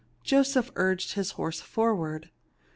Joseph urged his horse for ward.